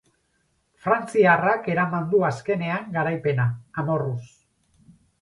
Frantziarrak eraman du azkenean garaipena, amorruz.